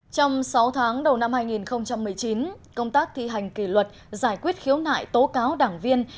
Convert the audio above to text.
trong sáu tháng đầu năm hai nghìn một mươi chín công tác thi hành kỷ luật giải quyết khiếu nại tố cáo đảng viên